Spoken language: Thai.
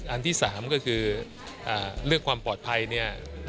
อันที่๓ก็คือเรื่องความปลอดภัยเนี่ย